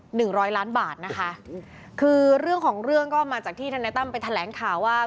หนึ่งร้อยล้านบาทนะคะคือเรื่องของเรื่องก็มาจากที่ธนายตั้มไปแถลงข่าวว่า